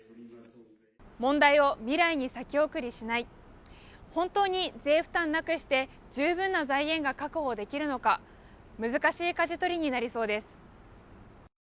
問題を未来に先送りない、本当に税負担なくして十分な財源が確保できるのか難しいかじ取りになりそうです。